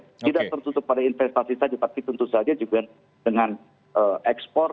tidak tertutup pada investasi saja tapi tentu saja juga dengan ekspor